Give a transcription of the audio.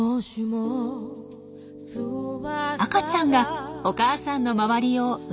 赤ちゃんがお母さんの周りをウロウロ。